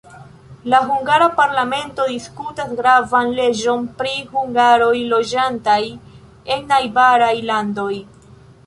La hungara parlamento diskutas gravan leĝon pri hungaroj loĝantaj en najbaraj landoj.